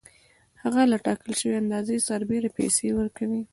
هغه له ټاکل شوې اندازې سربېره پیسې ورکوي